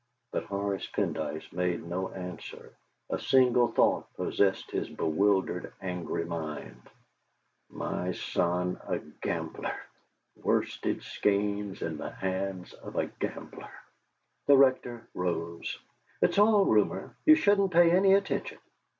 But Horace Pendyce made no answer. A single thought possessed his bewildered, angry mind: '.y son a gambler! Worsted Skeynes in the hands of a gambler!' The Rector rose. "It's all rumour. You shouldn't pay any attention.